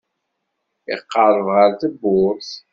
Iqerreb ɣer tewwurt.